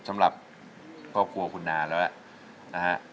สำหรับครอบครัวคุณนานแล้วนะฮะ